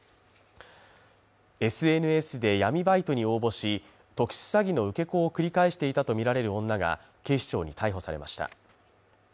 ＳＮＳで闇バイトに応募し、特殊詐欺の受け子を繰り返していたとみられる女が警視庁に逮捕されました。